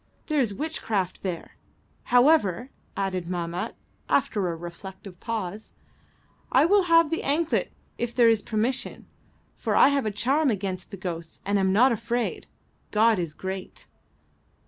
There is witchcraft there. However," added Mahmat, after a reflective pause, "I will have the anklet if there is permission, for I have a charm against the ghosts and am not afraid. God is great!"